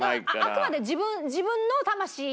あくまで。